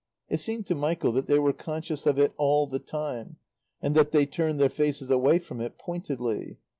It seemed to Michael that they were conscious of it all the time, and that they turned their faces away from it pointedly.